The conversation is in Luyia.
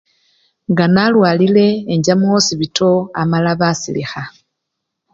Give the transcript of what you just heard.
Nga nalwalile encha mukhosipito amala basilikha.